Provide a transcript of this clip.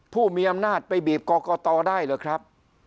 ผู้มีอำนาจไปบีบก่อก่อต่อได้เลยครับ